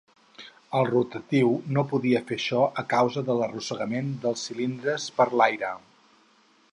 El rotatiu no podia fer això a causa de l'arrossegament dels cilindres per l'aire.